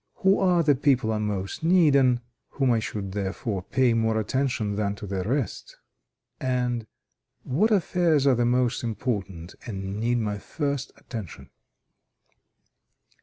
Who are the people I most need, and to whom should I, therefore, pay more attention than to the rest? And, what affairs are the most important, and need my first attention?"